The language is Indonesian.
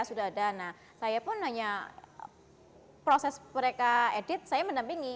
saya pun hanya proses mereka edit saya mendampingi